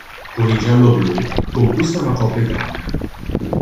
Con i gialloblu conquista una Coppa Italia.